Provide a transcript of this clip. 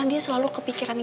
ini buatmu tuh kayak mana